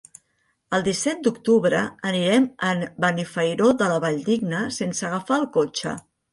El disset d'octubre anirem a Benifairó de la Valldigna sense agafar el cotxe.